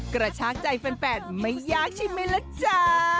กระชากใจแฟนไม่ยากชิมมั้ยล่ะจ๊ะ